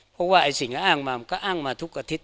เพราะว่าไอ้สิ่งก็อ้างมามันก็อ้างมาทุกอาทิตย